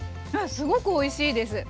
すごくおいしいです。